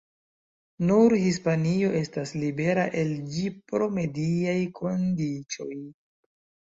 Nur Hispanio estas libera el ĝi pro mediaj kondiĉoj.